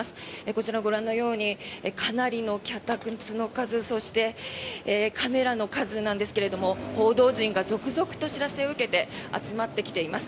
こちら、ご覧のようにかなりの脚立の数そしてカメラの数なんですが報道陣が続々と知らせを受けて集まってきています。